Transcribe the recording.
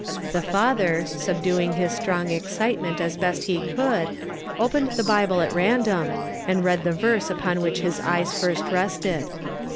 The fatlier, subduing his strong excitement as best he could, opened the Bible at random, and read the verse upon which his eyes first rested.